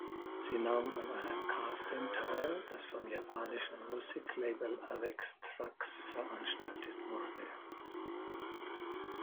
Sie nahm an einem Casting teil, das vom japanischen Musiklabel avex trax veranstaltet wurde.